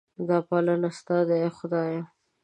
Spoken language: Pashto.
دا پالنه ستا ده ای خدایه.